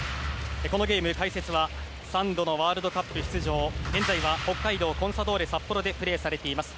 このゲーム、解説は３度のワールドカップ出場現在は北海道コンサドーレ札幌でプレーされています